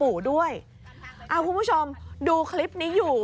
ลูกของลูกชายผม